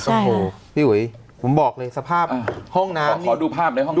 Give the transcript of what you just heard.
โอ้โหพี่อุ๋ยผมบอกเลยสภาพห้องน้ำขอดูภาพในห้องน้ำ